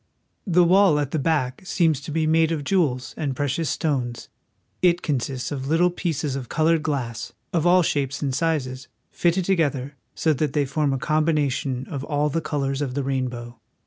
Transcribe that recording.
The wall at the back seems to be made of jewels and pre cious stones. It consists of little pieces of colored glass, of all shapes and sizes, fitted together so that they form a combination of all the colors of the rainbow.